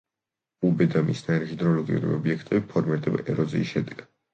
უბე და მისნაირი ჰიდროლოგიური ობიექტები ფორმირდება ეროზიის შედეგად.